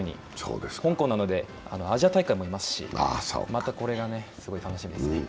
香港なのでアジア大会もいますし、これがまた楽しみです。